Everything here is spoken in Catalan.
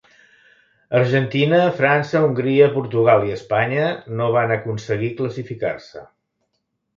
Argentina, França, Hongria, Portugal i Espanya no van aconseguir classificar-se.